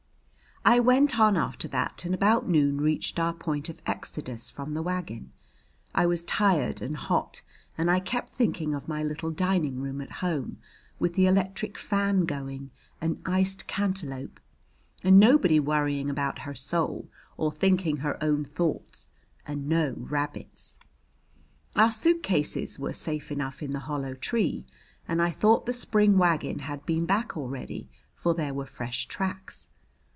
I went on after that and about noon reached our point of exodus from the wagon. I was tired and hot and I kept thinking of my little dining room at home, with the electric fan going, and iced cantaloupe, and nobody worrying about her soul or thinking her own thoughts, and no rabbits. Our suitcases were safe enough in the hollow tree, and I thought the spring wagon had been back already, for there were fresh tracks.